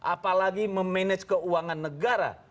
apalagi memanage keuangan negara